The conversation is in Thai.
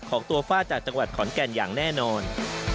ของตัวฝ้าจากจังหวัดขอนแก่นอย่างแน่นอน